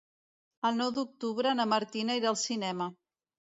El nou d'octubre na Martina irà al cinema.